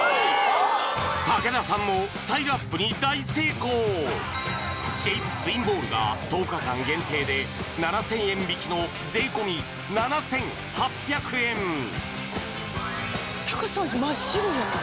武田さんもスタイルアップに大成功シェイプツインボールが１０日間限定で７０００円引きの税込７８００円タカさん真っ白じゃない？